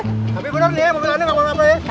tapi bener nih mobil lainnya gak pernah apa apa ya